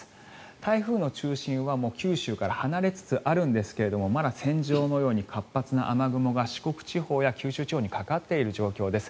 台風の中心は九州から離れつつあるんですがまだ線状のように活発な雨雲が四国地方や九州地方にかかっている状況です。